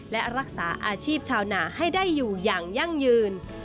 และรักษาอาชีพชาวนาให้ได้อยู่อย่างยั่งยืน